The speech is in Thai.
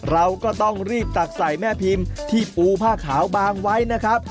เราก็ต้องรีบตักใส่แม่พิมพ์ที่ปูผ้าขาวบางไว้นะครับ